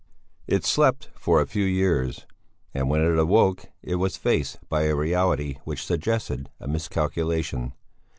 It slept for a few years, and when it awoke it was faced by a reality which suggested a miscalculation.